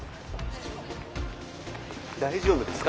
大丈夫ですか？